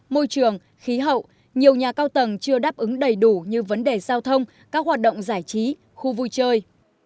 môi trường khí hậu nhiều nhà cao tầng chưa đáp ứng đầy đủ như vấn đề giao thông các hoạt động giải trí khu vui chơi